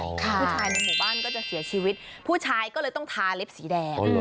ผู้ชายในหมู่บ้านก็จะเสียชีวิตผู้ชายก็เลยต้องทาเล็บสีแดง